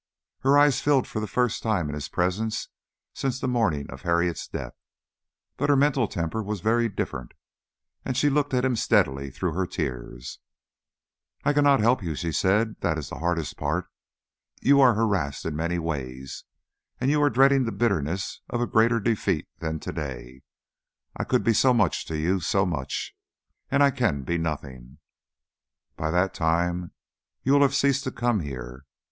Her eyes filled for the first time in his presence since the morning of Harriet's death, but her mental temper was very different, and she looked at him steadily through her tears. "I cannot help you," she said. "That is the hardest part. You are harassed in many ways, and you are dreading the bitterness of a greater defeat than today. I could be so much to you so much. And I can be nothing. By that time you will have ceased to come here.